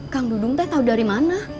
kang dudung teh tahu dari mana